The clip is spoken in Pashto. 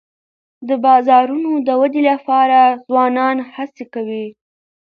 د بازارونو د ودي لپاره ځوانان هڅې کوي.